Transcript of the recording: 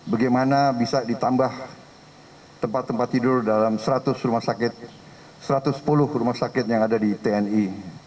bagaimana bisa ditambah tempat tempat tidur dalam satu ratus sepuluh rumah sakit yang ada di tni